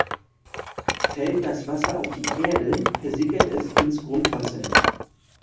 Fällt das Wasser auf die Erde, versickert es ins Grundwasser.